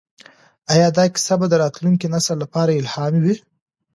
ایا دا کیسه به د راتلونکي نسل لپاره الهام وي؟